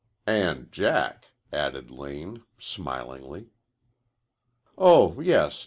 "And Jack," added Lane, smilingly. "Oh, yes.